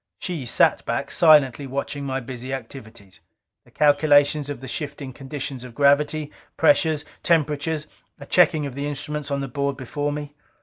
She sat back, silently watching my busy activities: the calculations of the shifting conditions of gravity, pressures, temperatures; a checking of the instruments on the board before me.